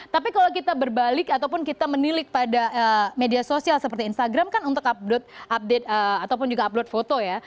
tapi kalau kita berbalik ataupun kita menilik pada media sosial seperti instagram kan untuk update update ataupun juga upload foto ya